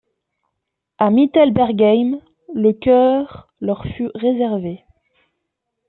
À Mittelbergheim, le chœur leur fut réservé.